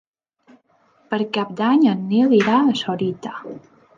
Per Cap d'Any en Nil irà a Sorita.